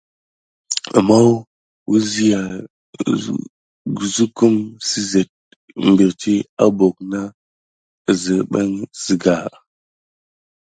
Mohoh wuziya kum sikete pirti abok nʼa zébem sigà.